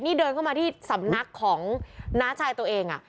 นี่เดินเข้ามาที่สำนักของน้าชายตัวเอง